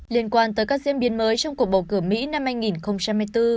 liên quan tới các diễn biến mới trong cuộc bầu cử mỹ năm hai nghìn hai mươi bốn